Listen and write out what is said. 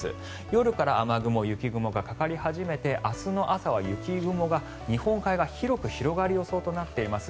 夜から雨雲、雪雲がかかり始めて明日の朝は雪雲が日本海側広く広がる予想となっています。